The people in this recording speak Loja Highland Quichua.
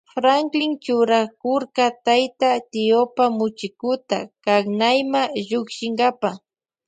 Franklin churakurka tayta tiopa muchikuta aknayma llukshinkapa.